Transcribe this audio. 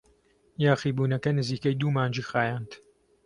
یاخیبوونەکە نزیکەی دوو مانگی خایاند.